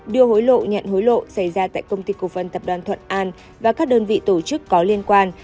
đưa hối lộ nhận hối lộ xảy ra tại công ty cổ phần tập đoàn thuận an và các đơn vị tổ chức có liên quan